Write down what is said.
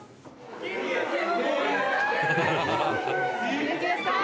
猪木さん。